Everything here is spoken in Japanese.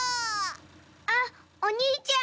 あっおにいちゃん！